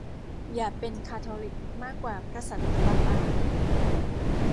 อย่าเป็นคาทอลิกมากกว่าพระสันตะปาปา